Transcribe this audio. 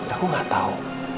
aku nggak tahu